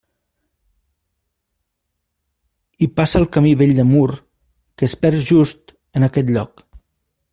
Hi passa el Camí vell de Mur, que es perd just en aquest lloc.